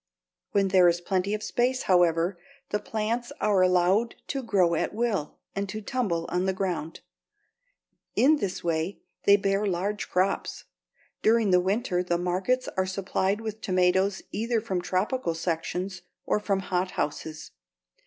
When there is plenty of space, however, the plants are allowed to grow at will and to tumble on the ground. In this way they bear large crops. During the winter the markets are supplied with tomatoes either from tropical sections or from hothouses.